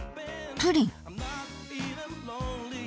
プリン！